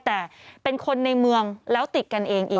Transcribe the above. แต่เป็นคนในเมืองแล้วติดกันเองอีก